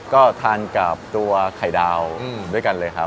ก็ทานกับตัวไข่ดาวด้วยกันเลยครับ